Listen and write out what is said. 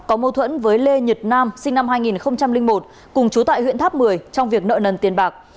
có mâu thuẫn với lê nhật nam sinh năm hai nghìn một cùng chú tại huyện tháp một mươi trong việc nợ nần tiền bạc